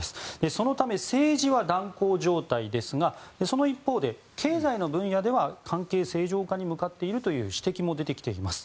そのため政治は断交状態ですがその一方で経済の分野では関係正常化に向かっているという指摘も出てきています。